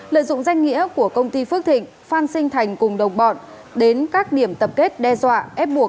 lợi dụng danh nghĩa của công ty phước thịnh phan sinh thành cùng đồng bọn đến các điểm tập kết đe dọa ép buộc